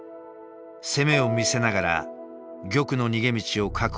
攻めを見せながら玉の逃げ道を確保した。